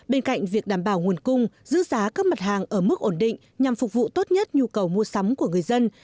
bên cạnh việc đảm bảo nguồn cung giữ giá các mặt hàng ở mức ổn định nhằm phục vụ tốt nhất nhu cầu mua sắm của người dân